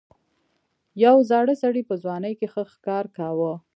یو زاړه سړي په ځوانۍ کې ښه ښکار کاوه.